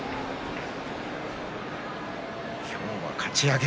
今日は、かち上げ。